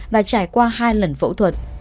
và trải qua hai lần phẫu thuật